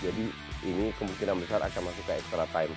jadi ini kemungkinan besar akan masukin waktu tambahan